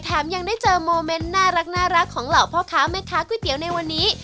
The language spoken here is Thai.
ยังได้เจอโมเมนต์น่ารักของเหล่าพ่อค้าแม่ค้าก๋วยเตี๋ยวในวันนี้